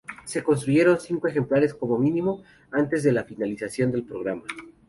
Se construyeron cinco ejemplares como mínimo, antes de la finalización del programa.